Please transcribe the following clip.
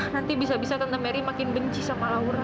nanti bisa bisa tentang mary makin benci sama laura